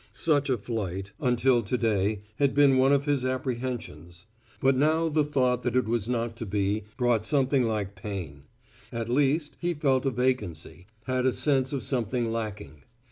Such a flight, until to day, had been one of his apprehensions: but now the thought that it was not to be, brought something like pain. At least, he felt a vacancy; had a sense of something lacking.